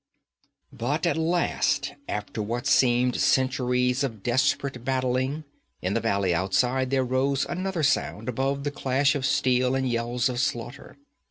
But at last, after what seemed centuries of desperate battling, in the valley outside there rose another sound above the clash of steel and yells of slaughter.